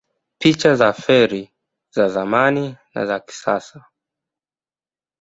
Picha za feri za zamani na za kisasa